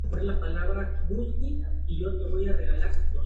Fue diputado en el Parlamento de Cataluña en su legislatura.